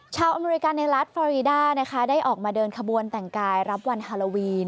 อเมริกาในรัฐฟอรีด้านะคะได้ออกมาเดินขบวนแต่งกายรับวันฮาโลวีน